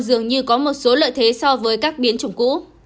dường như có một số lợi thế so với các biến chủng cũ